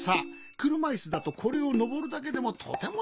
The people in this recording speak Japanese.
くるまいすだとこれをのぼるだけでもとてもたいへんなんじゃぞ。